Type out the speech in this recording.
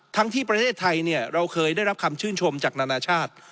ที่ประเทศไทยเราเคยได้รับคำชื่นชมจากนานาชาติ